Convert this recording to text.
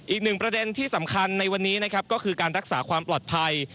อีกหนึ่งประเด็นที่สำคัญในวันนี้นะครับก็คือการรักษาความปลอดภัย